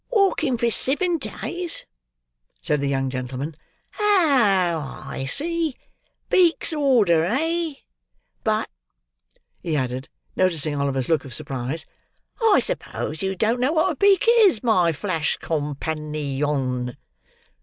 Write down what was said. "Walking for sivin days!" said the young gentleman. "Oh, I see. Beak's order, eh? But," he added, noticing Oliver's look of surprise, "I suppose you don't know what a beak is, my flash com pan i on."